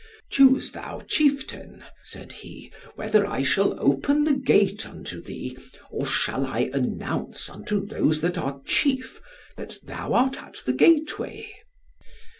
"Choose thou, chieftain," said he. "Whether shall I open the gate unto thee, or shall I announce unto those that are chief, that thou art at the gateway?"